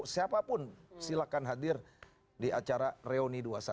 siapapun silahkan hadir di acara reuni dua ratus dua